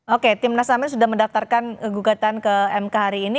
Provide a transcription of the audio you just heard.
oke timnas amin sudah mendaftarkan gugatan ke mk hari ini